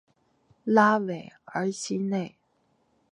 拉韦尔西内。